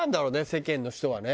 世間の人はね。